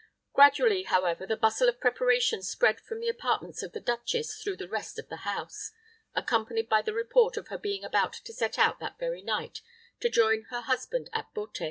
Gradually, however, the bustle of preparation spread from the apartments of the duchess through the rest of the house, accompanied by the report of her being about to set out that very night to join her husband at Beauté.